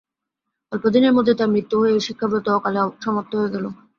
অল্পদিনের মধ্যেই তাঁর মৃত্যু হয়ে শিক্ষাব্রত অকালে সমাপ্ত হয়ে গেল।